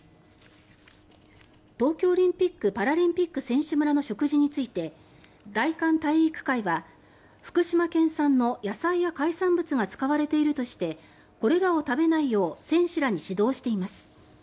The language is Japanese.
東京オリンピック・パラリンピック選手村の食事について大韓体育会は福島県産の野菜や海産物が使われているとしてこれらを食べないよう選手らに指導しています。